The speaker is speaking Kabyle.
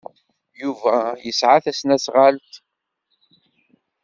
Yuba yesɛa tasnasɣalt?